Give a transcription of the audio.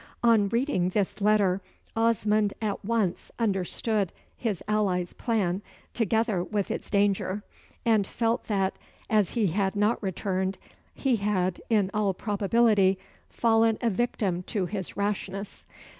On reading this letter, Osmond at once understood his ally's plan, together with its danger, and felt that, as he had not returned, he had, in all probability, fallen a victim to his rashness.